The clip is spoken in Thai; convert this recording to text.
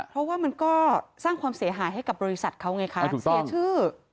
เพราะว่ามันก็สร้างความเสียหายให้กับบริษัทเขาไงคะเสียชื่อ